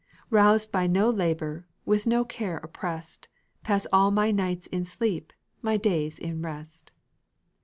Roused by no labor, with no care opprest, Pass all my nights in sleep, my days in rest.